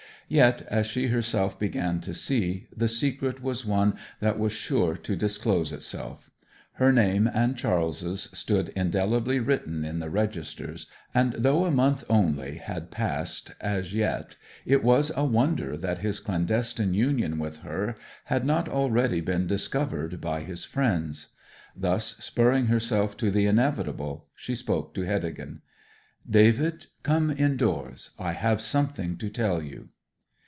Yet, as she herself began to see, the secret was one that was sure to disclose itself. Her name and Charles's stood indelibly written in the registers; and though a month only had passed as yet it was a wonder that his clandestine union with her had not already been discovered by his friends. Thus spurring herself to the inevitable, she spoke to Heddegan. 'David, come indoors. I have something to tell you.'